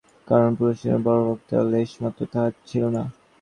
কারণ, পুরুষোচিত বর্বরতার লেশমাত্র তাহার ছিল না।